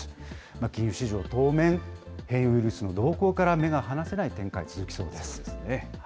金融市場、当面、変異ウイルスの動向から目が離せない展開、続きそうです。